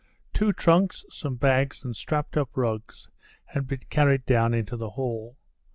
Two trunks, some bags and strapped up rugs, had been carried down into the hall.